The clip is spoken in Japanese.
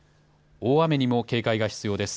大雨にも警戒が必要です。